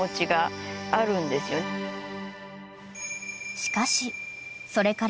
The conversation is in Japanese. ［しかしそれから］